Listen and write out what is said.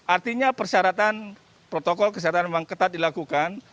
artinya persyaratan protokol kesehatan memang ketat dilakukan